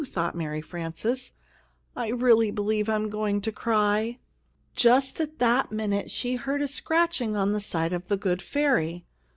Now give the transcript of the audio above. thought Mary Frances. "I really believe I am going to cry." Just at that minute she heard a scratching on the side of The Good Ferry.